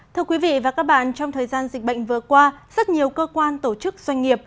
thưa quý vị và các bạn trong thời gian dịch bệnh vừa qua rất nhiều cơ quan tổ chức doanh nghiệp